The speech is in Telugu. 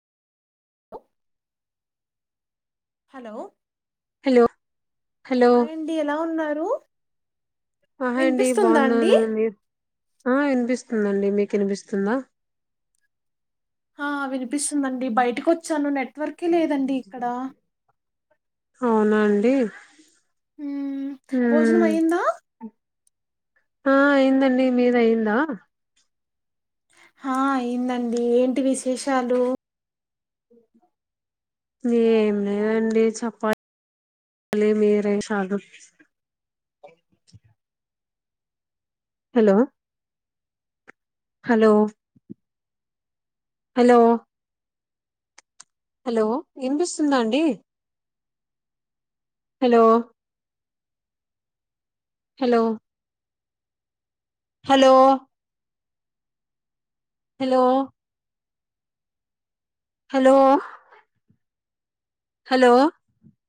హలో హలో హలో హాయండి ఎలా ఉన్నారు ఆహ అండి వినిపిస్తుందా అండి బాగున్నాను మీ ఆ వినిపిస్తు ఉందండి మీకు వినిపిస్తుందా ఆ వినిపిస్తుందిండి బయటకి వచ్చాను నెట్వర్కే లేదండి ఇక్కడ అవునాండి ఉమ్ భోజనం అయ్యిందా ఆ అయిందండి మీది అయిందా ఆ అయిందండి ఏంటి విశేషాలు ఏం లేదండి చెప్పాలి భలే మేరే సాగుక్ అ హలో హలో హలో హలో వినిపిస్తుందా అండి hello hello hello hello hello hello